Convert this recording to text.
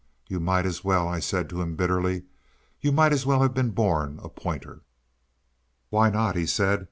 "You might as well," I said to him bitterly "you might as well have been born a pointer." "Why not?" he said.